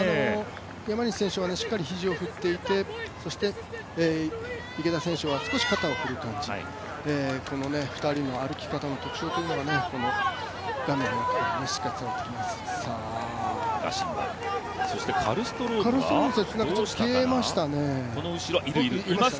山西選手はしっかり肘を振っていてそして池田選手は少し肩を振る感じ、この２人の歩き方の特徴というのがこの画面の中からしっかり伝わってきます。